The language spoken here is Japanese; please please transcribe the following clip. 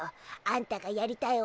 あんたがやりたい